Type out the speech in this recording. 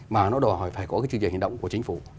mà nó đòi hỏi phải có cái chương trình hành động của chính phủ